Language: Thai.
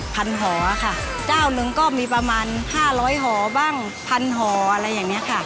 หอค่ะเจ้าหนึ่งก็มีประมาณห้าร้อยหอบ้างพันหออะไรอย่างเงี้ยค่ะ